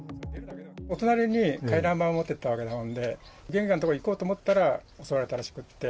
お隣に回覧板を持っていったわけなもんで、玄関の所に行こうと思ったら、襲われたらしくって。